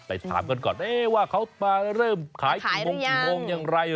ถามกันก่อนว่าเขามาเริ่มขายกี่โมงกี่โมงอย่างไร